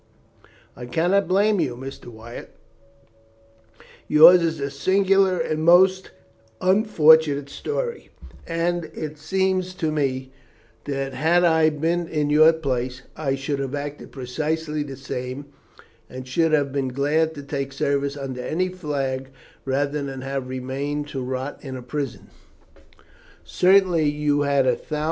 "I cannot blame you, Mr. Wyatt. Yours is a singular and most unfortunate story, and it seems to me that, had I been in your place, I should have acted precisely the same, and should have been glad to take service under any flag rather than have remained to rot in a prison.